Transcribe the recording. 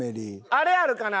あれあるかな？